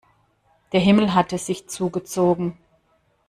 Der Himmel hatte sich zugezogen.